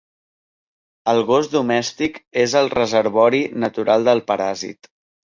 El gos domèstic és el reservori natural del paràsit.